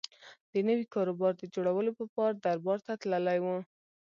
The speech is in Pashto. د نوي کاروبار د جوړولو په پار دربار ته تللی و.